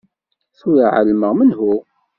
Tura εelmeɣ menhu.